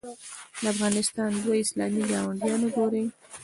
د افغانستان دوه اسلامي ګاونډیان وګورئ.